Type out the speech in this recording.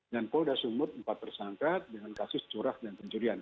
dan polda sumut empat tersangka dengan kasus curas dan pencurian